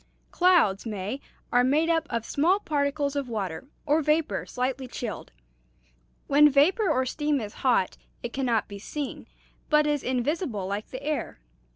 "Clouds, May, are made up of small particles of water or vapor slightly chilled. When vapor or steam is hot, it can not be seen, but is invisible like the air.